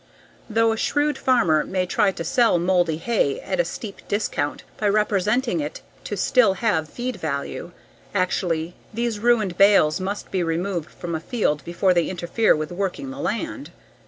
Though a shrewd farmer may try to sell moldy hay at a steep discount by representing it to still have feed value, actually these ruined bales must be removed from a field before they interfere with working the land.